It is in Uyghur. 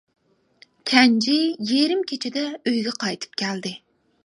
كەنجى يېرىم كېچىدە ئۆيگە قايتىپ كەلدى.